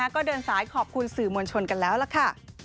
ก็เดินสายขอบคุณสื่อมวลชนกันแล้วล่ะค่ะ